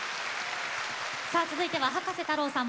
続いては、葉加瀬太郎さん